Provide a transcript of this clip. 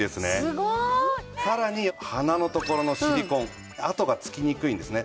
すごい！さらに鼻のところのシリコン跡がつきにくいんですね。